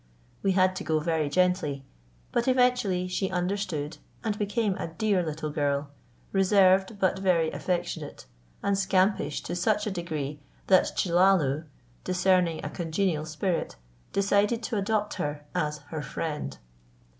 We had to go very gently; but eventually she understood and became a dear little girl, reserved but very affectionate, and scampish to such a degree that Chellalu, discerning a congenial spirit, decided to adopt her as "her friend."